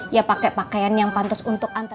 ya pake pakaian yang pantas untuk antre